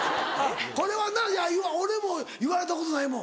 これはな俺も言われたことないもん。